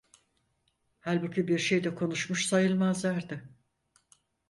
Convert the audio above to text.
Halbuki bir şey de konuşmuş sayılmazlardı.